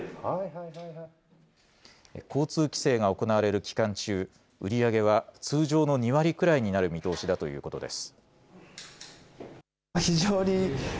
交通規制が行われる期間中、売り上げは通常の２割くらいになる見通しだということです。